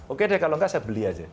oke deh kalau enggak saya beli aja